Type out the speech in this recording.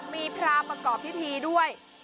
มีพระประกอบพิธีด้วย